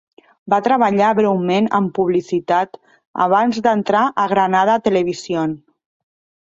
Va treballar breument en publicitat abans d'entrar a Granada Television.